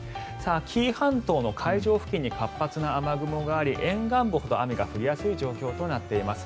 紀伊半島の海上付近に活発な雨雲があり沿岸部ほど、雨が降りやすい状況となっています。